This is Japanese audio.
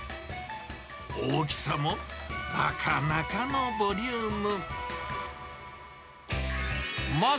大きさもなかなかのボリューム。